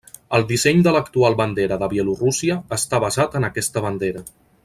El disseny de l'actual bandera de Bielorússia està basat en aquesta bandera.